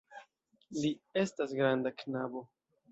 Li estas granda knabo.